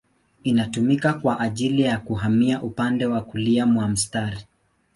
Inatumika kwa ajili ya kuhamia upande wa kulia mwa mstari.